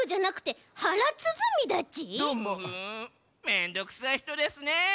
めんどくさいひとですね。